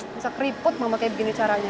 masa keriput mama kayak begini caranya